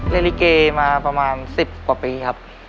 ลิเกมาประมาณ๑๐กว่าปีครับ